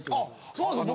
そうなんですよ